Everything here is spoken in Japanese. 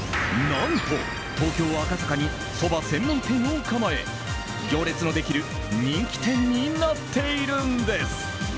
何と東京・赤坂にそば専門店を構え行列のできる人気店になっているんです。